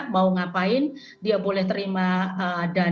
mau ngapain dia boleh terima dana